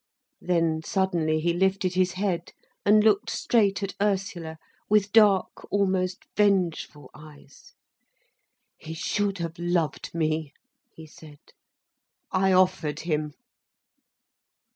Then suddenly he lifted his head, and looked straight at Ursula, with dark, almost vengeful eyes. "He should have loved me," he said. "I offered him."